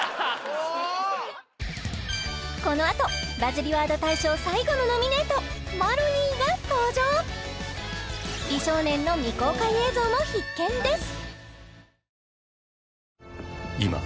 もうこのあとバズりワード大賞最後のノミネート「マロニー」が登場美少年の未公開映像も必見です！